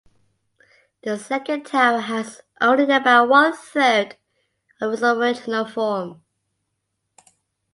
The second tower has only about one-third of its original form.